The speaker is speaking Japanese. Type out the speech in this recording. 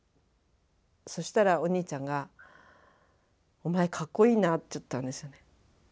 そしたらお兄ちゃんが「お前かっこいいな」って言ったんですよね。